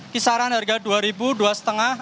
kisaran harga rp dua dua lima